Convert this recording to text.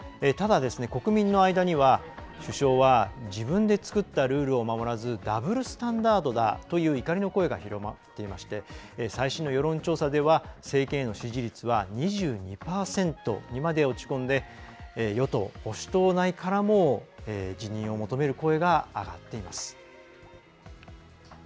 ただ、国民の間には首相は自分で作ったルールを守らずダブルスタンダードだという怒りの声が広まっていまして最新の世論調査では政権への支持率は２２％にまで落ち込んで与党・保守党内からも辞任を求める声が上がっています。